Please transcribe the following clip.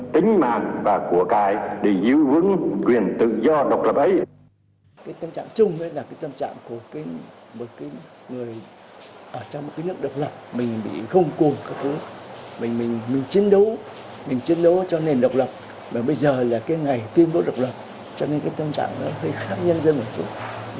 và bây giờ là cái ngày tuyên bố độc lập cho nên cái tâm trạng nó hơi khác nhân dân của chúng